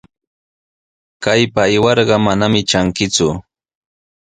Kaypa aywarqa manami trankiku.